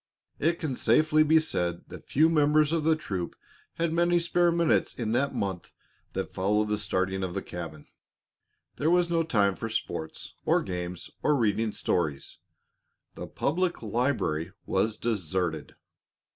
It can safely be said that few members of the troop had many spare minutes in the month that followed the starting of the cabin. There was no time for sports or games or reading stories. The public library was deserted.